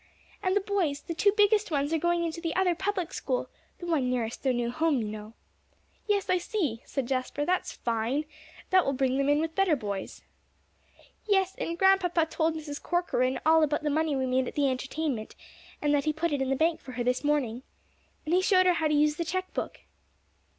"And the boys the two biggest ones are going into the other public school, the one nearest their new home, you know." "Yes, I see," said Jasper, "that's fine. That will bring them in with better boys." "Yes, and Grandpapa told Mrs. Corcoran all about the money we made at the entertainment, and that he put it in the bank for her this morning. And he showed her how to use the check book."